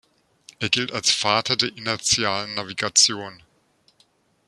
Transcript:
Er gilt als „Vater der inertialen Navigation“.